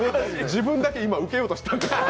自分だけ今、ウケようとしたんだから。